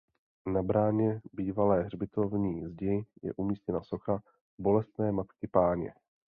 Na bráně bývalé hřbitovní zdi je umístěna socha Bolestné Matky Páně.